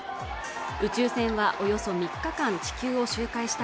宇宙船はおよそ３日間、地球を周回した